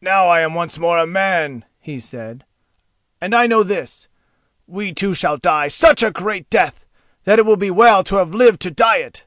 "Now I am once more a man," he said, "and I know this: we two shall die such a great death that it will be well to have lived to die it!"